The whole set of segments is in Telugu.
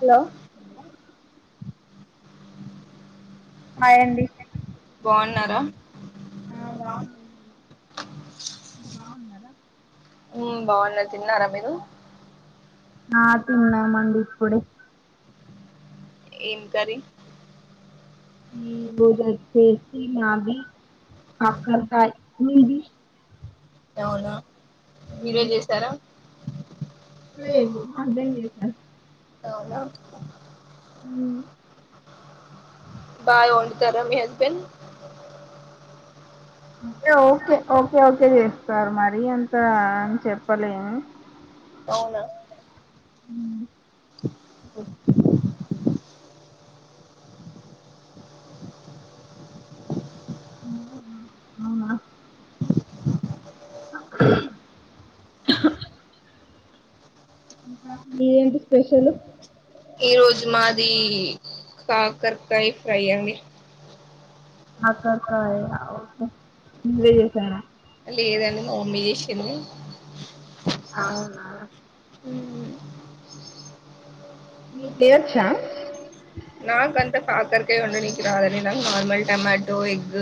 హలో హాయ్ అండి బాగున్నారా [inaudible] బాగున్న తిన్నారా మీరు ఆ తిన్నామండి ఇప్పుడే ఎం కర్రీ ఈరోజు వచేసి మాది కాకరకాయ్ మీది అవునా మీరే చేసర లేదు మా హస్బెండ్ చేసారు అవునా అ బాగ వండుతార మీ హస్బెండ్ అంటే ఓకే ఓకే ఓకే చేస్తారు మాట మరి అంతా చెప్పలేము అవునా హ అవునా మేదేంటి స్పెషల్ ఈ రోజు మాది కాకరకాయ ఫ్రై అండి కాకరకాయ మీరే చేసారా లేదు అండి మా మమ్మీ చేసింది అవునా మీకు లేవొచ్చ నాక అంత సాకర్ ఉండ నీకు రాద నార్మల్ టమాటో ఎగ్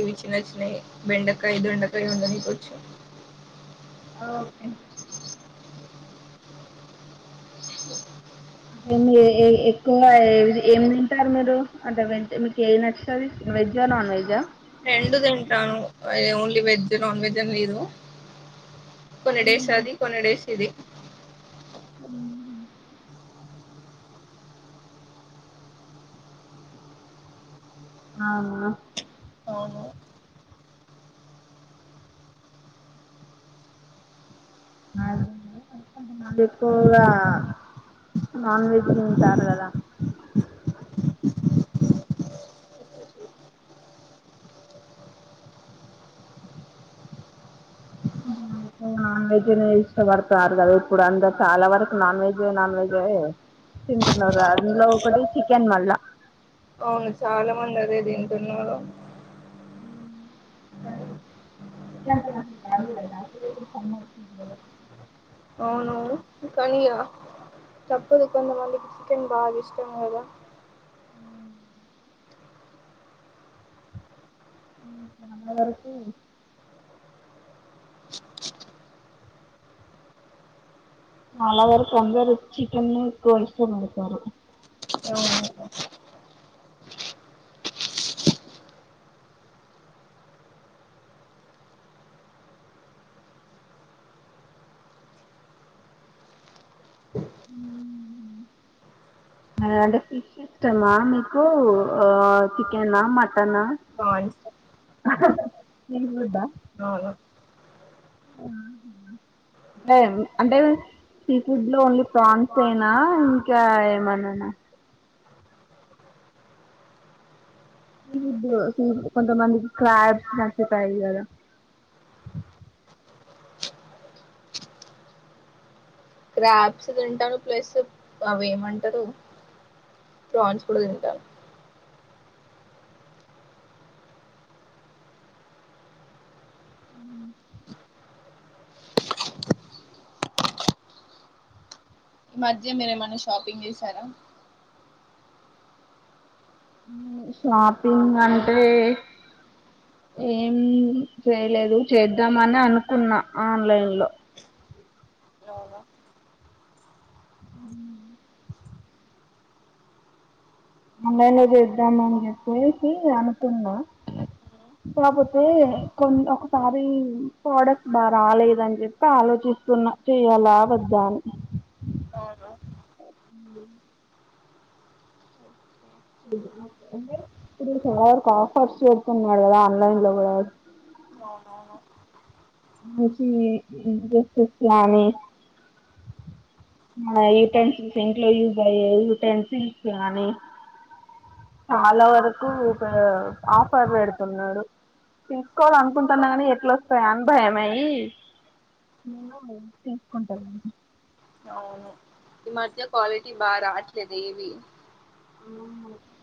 ఇవి చిన్న చిన్న బెండకాయ్ దొండ [unintelligible] వండనికొచ్చు అవు ఓకే మీ ఎక్కువ ఏం తింటారు మీరు అంటే వింటే మీకు ఏవి నచతది వెజ్జా నాన్ వెజ్జా ఏముంది వెజ్ నాన్ వెజ్ అని లేదు కొన్ని డేస్ అది కొన్ని డేస్ ఇది [unintelligible] ఆ ఆ అవును నా దోను [unintelligible] ఎక్కువగా నాన్ వెజ్ తింటారు కదా. [inaudible] [inaudible] ఎక్కువగా నాన్ వెజ్ ఇష్టపడుతరు కదా, ఇప్పుడు అందరు చాలా వరకు నాన్ వెజ్ నాన్ వెజే తింటున్నారు అందులో ఒకటి చికెన్ మళ్ళా అవును చాలా మంది అదే తింటున్నారు ఉ ఉ [inaudible] అవును కనియ తప్పదు కొంతమందికి చికెన్ బాగా ఇష్టం కదా. ఉ హు నా వరుకూ నాలా వరకు అందరు చికన్నే ఎక్కువ ఇష్ట పడుతారు. ఆ ఉ నద అంటే ఫిష్ ఇష్టమా మీకు ఆ చికెనా మటనా పయిన్స్ అహహహ నేనొద్ద అవును అంటే అంటే సీ ఫుడ్ లో ఓన్లీ ప్రాన్స్ యేనా ఇంకా ఏమన్నానా. సీ ఫుడు సి కొంతమందికి క్రాబ్స్ నచ్చుతాయి కదా. [inaudible] క్రాబ్స్ తింటాను ప్లస్ అవి ఏమంటారు ఫ్రాన్స్ కూడా తింటా ఈ మధ్య మీరు ఏమైన్నా షాపింగ్ చేసారా ఉ షాపింగ్ అంటే ఎమ్ చేయలేదు చేద్దామని అనుకున్నా ఆన్లైన్ లో. అవును అలైన్ లో చేద్దామని చెప్పేసి అనుకున్నా కాకపోతే కొన్ ఒకసారి ప్రోడక్ట్ బాగా రాలేదుని చెప్పి ఆలోచ్ చిస్తున్న చేయాలా వద్ద అని అవునా [unintelligible] ఆఫర్స్ ఎతున్నాడు కదా ఆన్లైన్ లో కూడా అవునవును వచ్చి ఇంట్రెసెస్ గాని మ యయుటెన్సిల్స్ ఇంట్లో యూజ్ అయ్యే యయుటెన్సిల్స్ కానీ. చాలా వరకు ఒక ఆఫర్ పెడుతున్నాడు తీస్కోకోవాల అనుకుంటున్నా ని ఎట్లొస్తాయ అని భయమయి. నేను తీసుకుంటాలే అవును ఈ మధ్య క్వాలిటీ బా రావట్లేదు ఏవి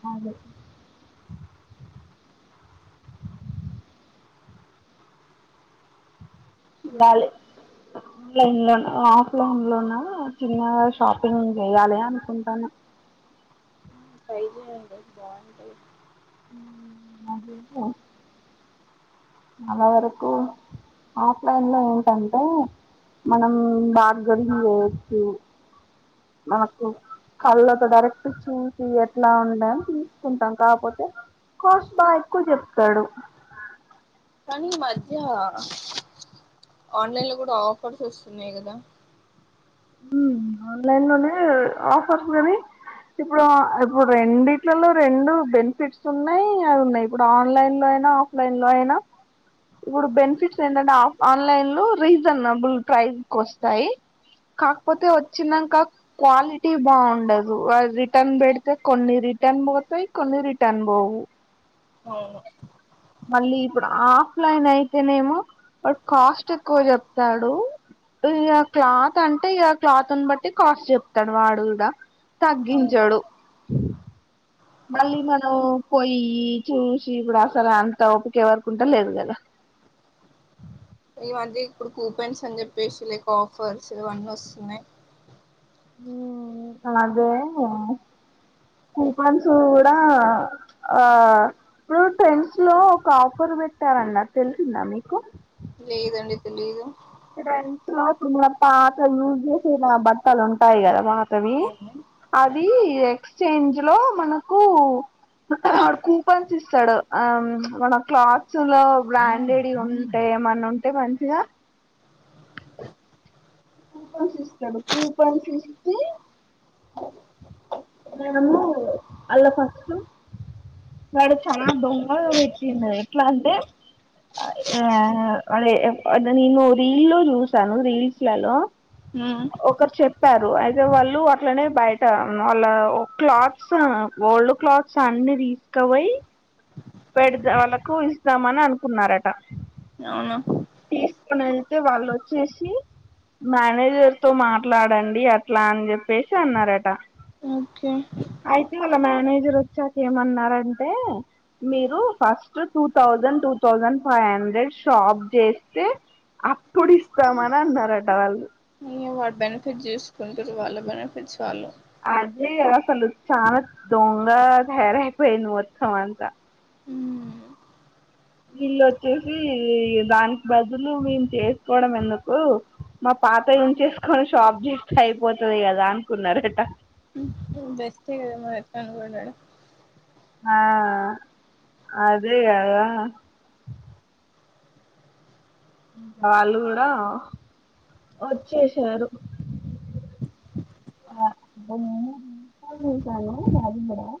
నాదే ఉండాలి చూడలే ఆన్లైన్ లోను ఆఫ్లైన్ లోన చిన్న షాపింగ్ చేయాలే అనుకుంటాన్న. అజియో లోనా బాగుంటాయి ఉ ఆ చాలా వరకు ఆఫ్లైన్ లో ఏంటంటే మనం బార్గరింగ్ చేేయచ్చు మనకు కల్లోతో డైరెక్ట్ చూ ది ఎట్లా ఉన్నా తీసుకుంటాం కాపోతే కాస్ట్ బాగా ఎక్కువ చెప్తాడు. కనీమధ్య ఆన్లైన్ లో గూడ ఆఫర్స్ వస్తున్నయి గదా హ్మ్ ఆన్లైన్ లనే ఆఫర్స్ గని ఇప్పుడు ఆ ఇప్పుడు రెండిట్లలో రెండు బెనిఫిట్స్ ఉన్నయీ అవున్నయి ఇప్పుడు ఆన్లైన్ లో ఐ న ఆఫ్లైన్ లో ఐనా ఇప్పుడు బెనిఫిట్స్ ఏంటంటే ఆఫ్ ఆన్లైన్ లో రీజనబుల్ ప్రైస్ కొస్తయి కాక్పోతే వచ్చినంక క్వాలిటీ బావుండదు ఆ రిటర్న్ బెడితే కొన్ని రిటర్న్ న్ బోతయ్ కొన్ని రిటర్న్ బోవు. అవును మళ్ళీ ఇప్పుడు ఆఫ్లైన్ అయితేనేమో వడు కాస్ట్ ఎక్కువ చెప్తాడు ఇగ క్లాత్ అంటే ఇగ క్లాతున్ బట్టి కాస్ట్ చెప్తడు వాడు గుడ తగ్గించడు మళ్ళీ మనం పొయ్యి చూస్ చి ఇప్పుడసలు అంత ఓపిక ఎవరకుంట లేదు గదా ఇ మధ్య ఇప్పుడు కూపన్స్ అన్ జెప్పేసి లైక్ ఆఫర్స్ ఇవన్నొస్తున్నయి. హ్మ్ అదే కూపన్స్ గుడా ఆ ఇప్పుడు ట్రెండ్స్ లో ఒక ఆఫర్ పెట్టారన్నర్ తెలిసిందా మీకు లేదండి తెలీదు రెంట్లో ఇప్పుడు మన పాత యూజ్ చేసేనా బట్టలు ఉంటాయి గదా వాట్ తవి అవును అవీ ఎక్స్చేంజ్ లో మనకు వాడు కూపన్స్ ఇస్తడు, ఆ మన క్లాత్స్ లో బ్రాండెడియ్ ఉంటే ఏమన్న ఉంటే మంచిగా పన్సిస్తడు కూపన్స్ ఇస్తే మనము అల్ల ఫాస్ వాడు చాలా దొంగగ బేట్టిండు ఎట్లా అంటే ఆ ఉమ్ అడే అదే నేను రీల్ లో జూసాను రీల్స్ లలో హ్మ్ ప్పారు అయితే వాళ్ళు అట్లనే బయట వాళ్ళ క్లాత్స్ ఓల్డ్ క్లాత్స్ అం అన్ని తీసుకపోయి పెడదా వాళ్ళకు ఇస్తామని అనుకున్నరట అవున తీసుకొనేళ్తే వాళ్ళోచ్చేసి మానేజర్ తో మాట్లాడండి అట్లా అన్ జెప్పేసి అన్నారట కే కి వాళ్ళ మేనేజర్ వచ్చాక ఏమన్నారంటే మీరు ఫస్ట్ టూ థౌజండ్ టూ తొ థౌసండ్ ఫైవ్ హండ్రెడ్ షాప్ జేస్తే అప్పుడు ఇస్తామనన్నారట వాళ్ళు ని వాడ్ బెనిఫిట్ జూసుకుంటడు వాళ్ళ బెనిఫిట్స్ వాళ్ళు అదే అసలు చాలా దొంగగ తయారయిపోయిన్డు మొత్తం అంత వీల్లోచ్చేసి దానికి బదులు మేము చేసుకోవడం ఎందుకు మా పాతయుంచేసుకొని షాప్ జేస్తే అయిపోతది గదా అనుకున్నరట బెస్టే గదమరి అట్లనుకున్నరా ఆ అదే గదా వాళ్ళు గుడా ఒచ్చేసారు వా [unintelligible] చూసాను [unintelligible]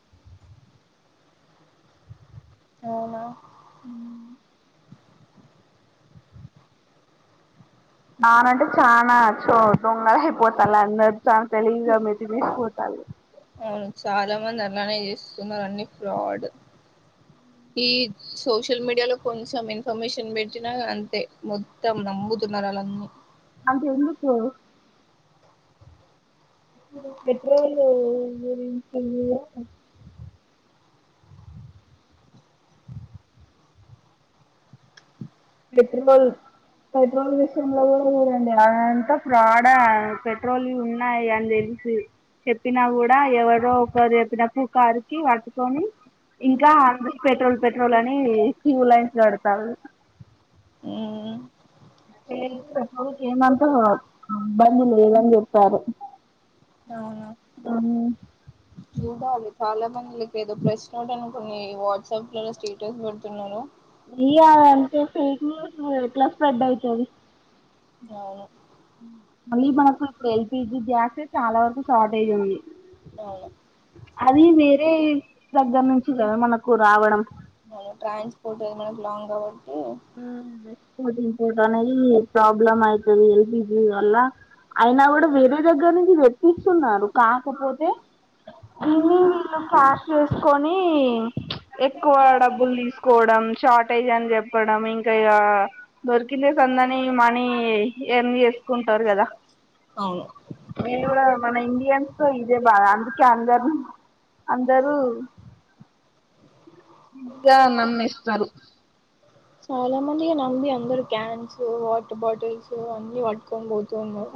అవునా ఉమ్ నానంటే చాలా చ్చో దొంగలయిపోతాల్లందరు చాలా తెలివిగా మితి మీరి తపోతారు అవును అవును చాలా మంది అలానే చేస్తున్నారు అన్ని ఫ్రాడ్ ఉహ్ ఈ సోషల్ మీడియా లో కొంచెం ఇన్ఫర్మేషన్ బెట్టినా అంతే మొత్తం నమ్ముతున్నారా. లగము అది ఎందుకో పెట్రోలో గురించి ఇయా పెట్టురోల్ పెట్రోల్ విషయంలో కూడా చూడండి అదంతా ఫ్రాడా ఆ పెట్రోలియి ఉన్నాయి. అందేల్ ఇసీవ్ చెప్పినా కూడా ఎవరో ఒకరు చెప్పిన పుకారుకి వట్టుకొని ఇంకా పెట్రోల్ పెట్రోల్ అని ఫ్యూ లైన్స్ గడతాడు. హుహ్ మ్మ్ ఏది చెప్పరు కేమంతో బల్లి లేదన్ని జేపారు. అవునా హు దమే చూడాలి పాలా మంది పేదో ప్రశ్నోట్ అనుకుని వాట్సాప్ లలో స్టేటస్ పెడుతున్నారు. ఇయాదంతే ఫేక్ న్యూస్ మరి ఎట్లా స్ప్రెడ్ అయితది. అవును హు మళ్ళీ మనకు ఇప్పుడు ఎల్పిజి గ్యాసే చాలా వరకు షార్టేజ్ ఉంది. అవును అది వేరే దగ్గర నుంచి కదా మనకు రావడం. ట్రాన్స్పోర్టో మనక్ లాంగ్ అవడ్ హు ఎస్పోట్ ఇంపోట్ అనేది ప్రాబ్లమ్ అయితది ఎల్పిజి వల్ల అయినా గూడా వేరే దగ్గర నుంచి వెప్పిసున్నారు కాకపోతే ఇన్ని వీళ్ళు క్యాచ్ చేసుకొని ఎక్కువ డబ్బులు దీసుకోవడం షార్టేజ్ ఆన్ జేప్ పడం ఇంకా ఇగా దొరికిందే సందని మనీ ఎర్న్ చేసుకుంటారు కదా అవును వీళ్ళు కూడా మన ఇండియన్స్ తో ఇదే బాధ అందుకే అందరు అందరూ ఇద్యా నమిస్తరు. చాలా మంది ఇగా నమ్మి అందరు క్యాన్సు వాటర్ బాటిల్స్ అన్ని వాట్ కోన్ బోతు ఉన్నార్.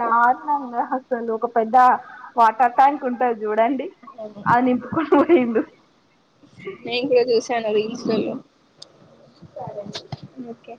ధర్నాగా అసలు ఒక పెద్ద వాటర్ ట్యాంక్ ఉంటద్ జూడండి. అది నింపుకొని పోయిండు. నేన్ కూడా చూసాను రీల్స్ లలో మోకే